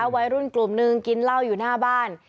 วัยรุ่นกลุ่มนึงกินเหล้าอยู่หน้าบ้าน